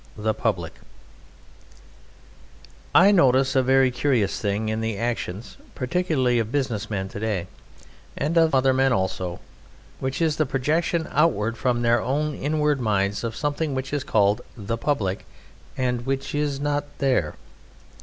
The Public I notice a very curious thing in the actions particularly of business men to day, and of other men also, which is the projection outward from their own inward minds of something which is called "The Public" and which is not there.